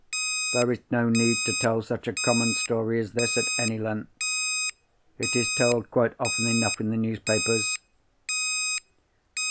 There is no need to tell such a common story as this, at any length. It is told quite often enough in the newspapers.